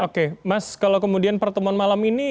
oke mas kalau kemudian pertemuan malam ini